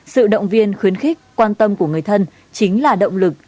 sự động viên khuyến khích quan tâm của người thân chính là động lực